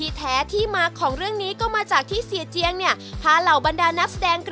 ใช่ไปคนพาพวกเฉินหลง